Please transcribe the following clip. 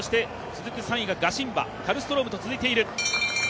そして続く３位がガシンバカルストロームと続いている。